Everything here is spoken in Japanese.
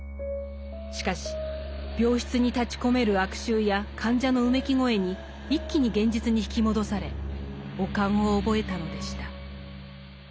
しかし病室に立ちこめる悪臭や患者のうめき声に一気に現実に引き戻され悪寒を覚えたのでした。